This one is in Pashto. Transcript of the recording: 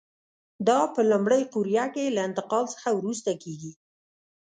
دا په لومړۍ قوریه کې له انتقال څخه وروسته کېږي.